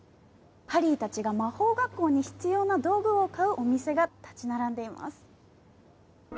ハリーたちが魔法学校に必要な道具を買うお店が立ち並んでいます。